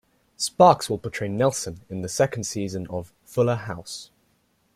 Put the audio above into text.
Sparks will portray Nelson in the second season of "Fuller House".